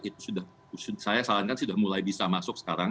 itu sudah saya sarankan sudah mulai bisa masuk sekarang